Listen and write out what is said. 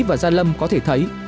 và gia lâm có thể thấy